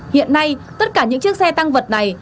hiện nay tất cả những chiếc xe tăng vật này